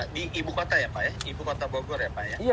di ibu kota ya pak ya ibu kota bogor ya pak ya